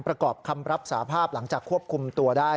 ประกอบคำรับสาภาพหลังจากควบคุมตัวได้